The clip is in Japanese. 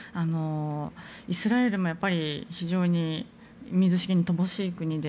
イスラエルも非常に水資源に乏しい国で